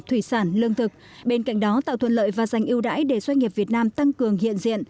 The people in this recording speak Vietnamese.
thủy sản lương thực bên cạnh đó tạo thuận lợi và dành ưu đãi để doanh nghiệp việt nam tăng cường hiện diện